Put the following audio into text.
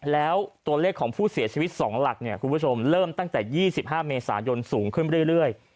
แล้วตัวเลขของผู้เสียชีวิต๒หลักเนี่ยคุณผู้ชมเริ่มตั้งแต่๒๕เมษายนสูงขึ้นเรื่อย